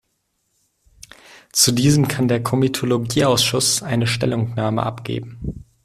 Zu diesem kann der Komitologie-Ausschuss eine Stellungnahme abgeben.